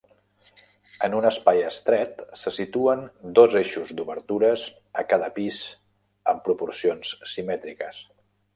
En un espai estret, se situen dos eixos d'obertures a cada pis amb proporcions simètriques.